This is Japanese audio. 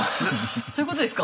そういうことですか？